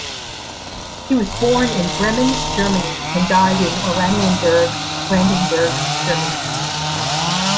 He was born in Bremen, Germany and died in Oranienburg, Brandenburg, Germany.